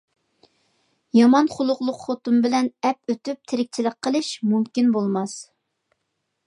يامان خۇلقلۇق خوتۇن بىلەن ئەپ ئۆتۈپ تىرىكچىلىك قىلىش مۇمكىن بولماس!